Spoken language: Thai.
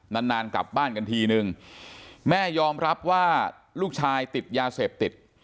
นานนานกลับบ้านกันทีนึงแม่ยอมรับว่าลูกชายติดยาเสพติด